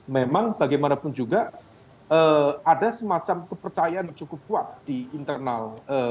memang bagaimanapun juga ada semacam kepercayaan yang cukup kuat di internal